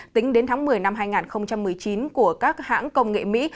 tính đến tháng một mươi năm hai nghìn một mươi chín của các hãng công nghệ mỹ